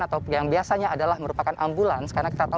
atau yang biasanya adalah merupakan ambulans